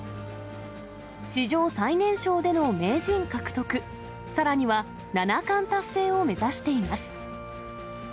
史上最年少での名人獲得、さらには七冠達成を目指しています。